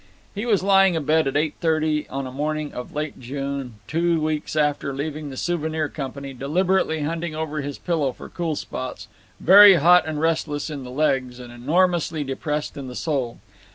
He was lying abed at eight thirty on a morning of late June, two weeks after leaving the Souvenir Company, deliberately hunting over his pillow for cool spots, very hot and restless in the legs and enormously depressed in the soul.